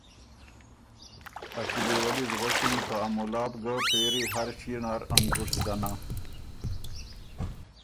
ا کِلي ولّی سُو غؤݭِن که ا مُلا بُو ګۀ پېری هر ݭيې نر ا ںګُشت ځنا